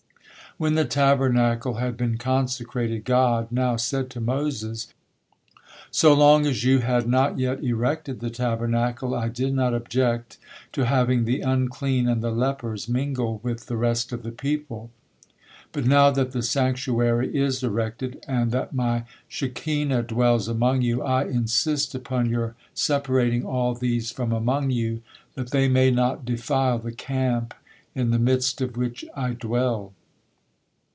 When the Tabernacle had been consecrated, God now said to Moses: "So long as you had not yet erected the Tabernacle, I did not object to having the unclean and the lepers mingle with the rest of the people, but now that the sanctuary is erected, and that My Shekinah dwells among you, I insist upon your separating all these from among you, that they may not defile the camp in the midst of which I dwell."